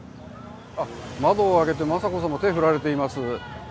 あっ、窓を開けて、雅子さま、手を振られています。